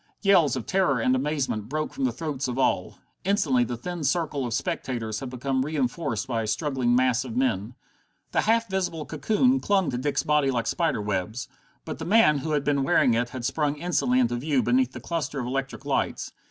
Yells of terror and amazement broke from the throats of all. Instantly the thin circle of spectators had become reinforced by a struggling mass of men. The half visible cocoon clung to Dick's body like spider webs. But the man who had been wearing it had sprung instantly into view beneath the cluster of electric lights.